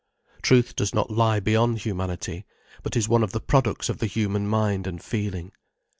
Truth does not lie beyond humanity, but is one of the products of the human mind and feeling.